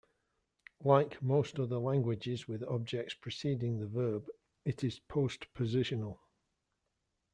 Like most other languages with objects preceding the verb, it is postpositional.